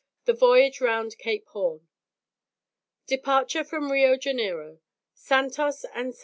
THE VOYAGE ROUND CAPE HORN. DEPARTURE FROM RIO JANEIRO SANTOS AND ST.